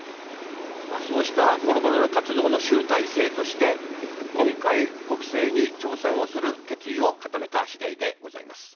そうした、もろもろの活動の集大成として、今回、国政に挑戦をする決意を固めた次第でございます。